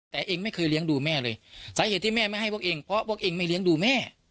แต่เองไม่เคยเลี้ยงดูแม่เลยสาเหตุที่แม่ไม่ให้พวกเองเพราะพวกเองไม่เลี้ยงดูแม่